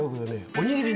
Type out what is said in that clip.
おにぎり